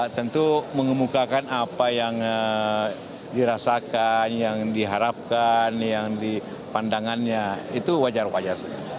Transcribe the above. tentu mengemukakan apa yang dirasakan yang diharapkan yang di pandangannya itu wajar wajar